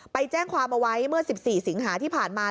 ไปแจ้งความเอาไว้เมื่อ๑๔สิงหาที่ผ่านมา